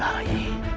sudah lah rai